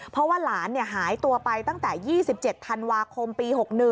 เพราะว่าหลานหายตัวไปตั้งแต่๒๗ธันวาคมปี๖๑